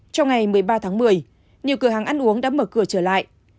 trong ngày một mươi ba tháng một mươi nhiều cửa hàng ăn uống đã mở cửa trở lại